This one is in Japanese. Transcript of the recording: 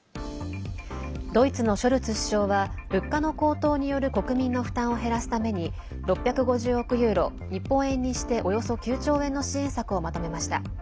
ドイツのショルツ首相は物価の高騰による国民の負担を減らすために６５０億ユーロ日本円にして、およそ９兆円の支援策をまとめました。